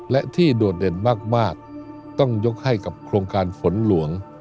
และที่โดดเด่นมากต้องยกให้กับโครงการฝนหลวง